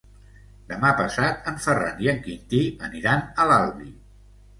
Demà passat en Ferran i en Quintí aniran a l'Albi.